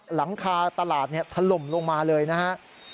หลังคาตลาดถล่มลงมาเลยนะครับ